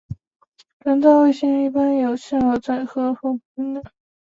人造卫星一般由有效载荷和卫星平台两部分构成。